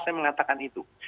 saya mengatakan itu